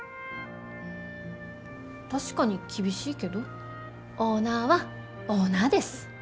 確かに厳しいけどオーナーはオーナーです。